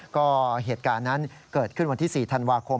ก็เหตุการณ์นั้นเกิดขึ้นวันที่๔ธันวาคม